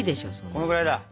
このぐらいだ。